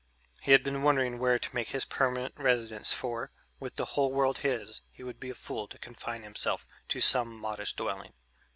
He had been wondering where to make his permanent residence for, with the whole world his, he would be a fool to confine himself to some modest dwelling.